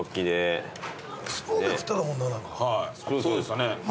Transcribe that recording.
そうですよね。